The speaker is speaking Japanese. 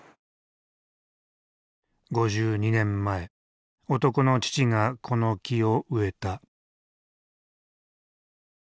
５２年前男の父がこの木を植えた。